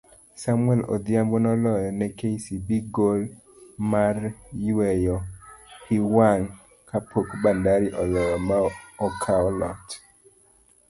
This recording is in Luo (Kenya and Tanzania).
Samuel Odhiambo noloyo ne kcb gol maryweyo piwang' kapok Bandari oloyo maokao loch